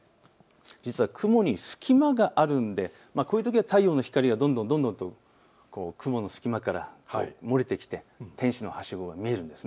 実は雲に隙間はあるのでこういうときは太陽の光がどんどんと雲の隙間から漏れてきて天使のはしごが見られるんです。